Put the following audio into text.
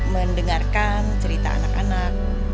mendengarkan cerita anak anak